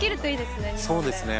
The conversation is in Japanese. そうですね